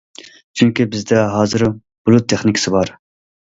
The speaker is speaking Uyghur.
چۈنكى بىزدە ھازىر بۇلۇت تېخنىكىسى بار.